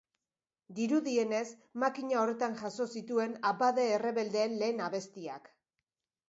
Dirudienez, makina horretan jaso zituen abade errebeldeen lehen abestiak.